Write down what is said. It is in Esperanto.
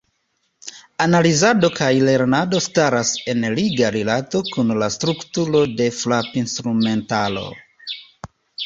Analizado kaj lernado staras en liga rilato kun la strukturo de frapinstrumentaro.